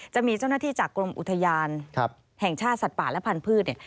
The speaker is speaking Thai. จะมีเจ้าหน้าที่จากกรมอุทยานแห่งชาติสัตว์ป่าและพันธุ์เนี่ย